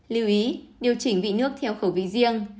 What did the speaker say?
lưu ý điều chỉnh vị nước theo khẩu vị riêng